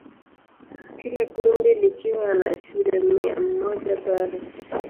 Kila kundi likiwa na shule mia moja bora.